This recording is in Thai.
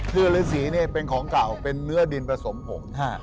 เชื่อและศรีเป็นของเก่าเป็นเนื้อดินผสมผง